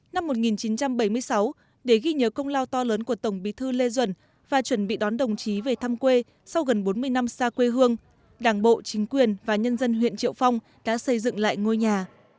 năm một nghìn chín trăm bảy mươi sáu để ghi nhớ công lao to lớn của tổng bí thư lê duẩn và chuẩn bị đón đồng chí về thăm quê sau gần bốn mươi năm xa quê hương đảng bộ chính quyền và nhân dân huyện triệu phong đã xây dựng lại ngôi nhà